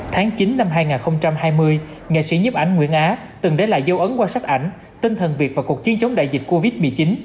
tháng chín năm hai nghìn hai mươi nghệ sĩ nhấp ảnh nguyễn á từng để lại dấu ấn qua sắc ảnh tinh thần việt và cuộc chiến chống đại dịch covid một mươi chín